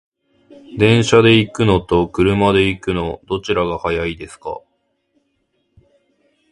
電車で行くのと車で行くの、どちらが早いですか？